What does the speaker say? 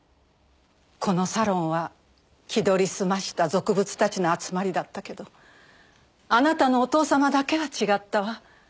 このサロンは気取り澄ました俗物たちの集まりだったけどあなたのお父様だけは違ったわ。